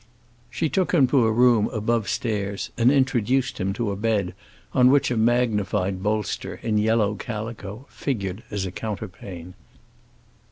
She took him to a room above stairs, and introduced him to a bed on which a magnified bolster, in yellow calico, figured as a counterpane.